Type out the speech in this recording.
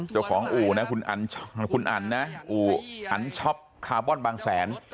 เจ้าของอู่นะคุณอันคุณอันนะอู่อันชอบคาร์บอนบางแสน